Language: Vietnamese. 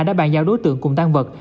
đã bàn giao đối tượng cùng tàn vật